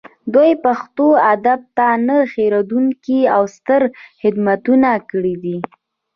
دوی پښتو ادب ته نه هیریدونکي او ستر خدمتونه کړي دي